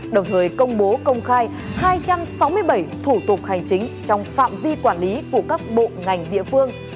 đồng thời công bố công khai hai trăm sáu mươi bảy thủ tục hành chính trong phạm vi quản lý của các bộ ngành địa phương